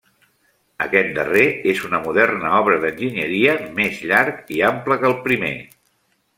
Aquest darrer és una moderna obra d'enginyeria més llarg i ample que el primer.